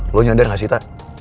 lo nyadar ga sih ta